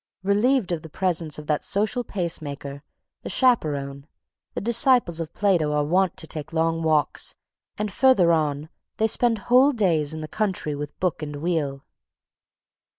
Relieved of the presence of that social pace maker, the chaperone, the disciples of Plato are wont to take long walks, and further on, they spend whole days in the country with book and wheel.